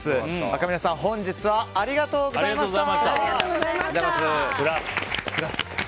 アカミネさん、本日はありがとうございました。